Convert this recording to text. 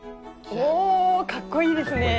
おかっこいいですね。